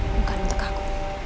bukan untuk aku